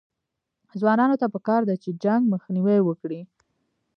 ځوانانو ته پکار ده چې، جنګ مخنیوی وکړي